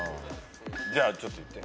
じゃあちょっと言って。